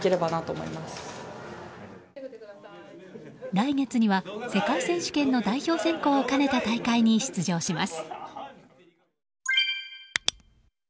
来月には世界選手権の代表選考を兼ねた大会に出場します。